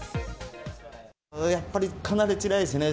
やっぱりかなりつらいですね。